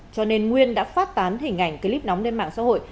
cho nên nguyên đã phát tán hình ảnh clip nóng lên mạng xã hội